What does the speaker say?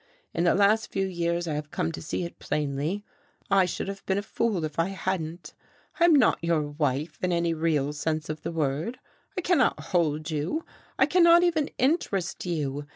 In the last few years I have come to see it plainly. I should have been a fool if I hadn't. I am not your wife in any real sense of the word, I cannot hold you, I cannot even interest you.